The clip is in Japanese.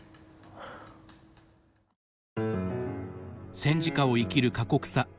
戦時下を生きる過酷さ。